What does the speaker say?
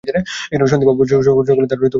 সন্দীপবাবু সকলের সামনেই তার আলোচনা করতেন।